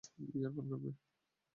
বিয়ার পান করবে?